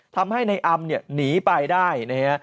ทำให้ในอำเนี่ยหนีไปได้นะฮะ